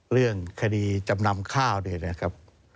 เรื่องคดีจำนำข้าวเนี่ยนะครับ